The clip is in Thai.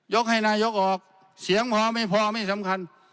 ให้นายกออกเสียงพอไม่พอไม่สำคัญ